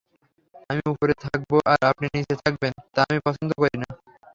আমি উপরে থাকব আর আপনি নিচে থাকবেন, তা আমি পছন্দ করি না।